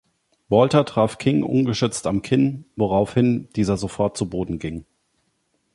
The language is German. Walter traf King ungeschützt am Kinn, woraufhin dieser sofort zu Boden ging.